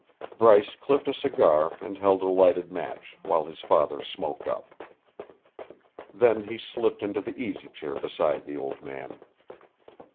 Bryce clipped a cigar and held a lighted match while his father "smoked up." Then he slipped into the easy chair beside the old man.